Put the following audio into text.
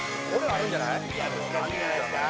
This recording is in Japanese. あるんじゃないですか？